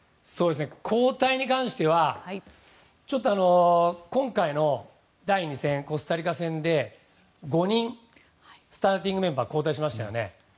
交代に関してはちょっと、今回の第２戦コスタリカ戦で５人スターティングメンバーを交代しましたよね。